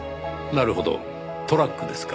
なるほどトラックですか。